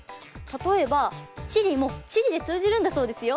例えば「地理」も「チリ」で通じるんだそうですよ。